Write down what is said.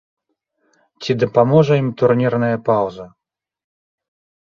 Ці дапаможа ім турнірная паўза?